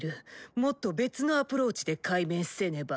もっと別のアプローチで解明せねば。